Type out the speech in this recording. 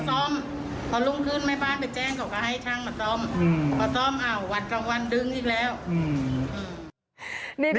ไปแจ้งเขาก็ให้ช่างมาซ่อมอืมก็ซ่อมอ่าวันทางวันดึงอีกแล้ว